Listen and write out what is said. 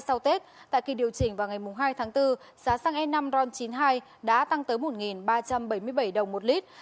sau tết tại kỳ điều chỉnh vào ngày hai tháng bốn giá xăng e năm ron chín mươi hai đã tăng tới một ba trăm bảy mươi bảy đồng một lít